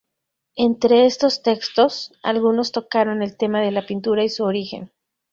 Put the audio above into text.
Entre estos textos, algunos tocaron el tema de la pintura y su origen.